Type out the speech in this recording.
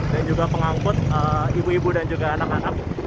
dan juga pengangkut ibu ibu dan juga anak anak